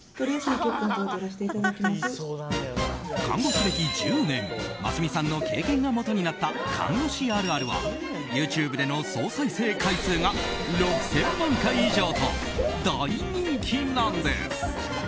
看護師歴１０年ますみさんの経験がもとになった看護師あるあるはＹｏｕＴｕｂｅでの総再生回数が６０００万回以上と大人気なんです。